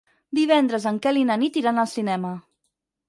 Divendres en Quel i na Nit iran al cinema.